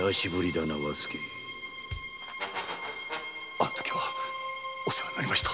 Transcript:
あの時はお世話になりました。